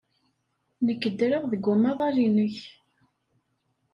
Nekk ddreɣ deg umaḍal-nnek.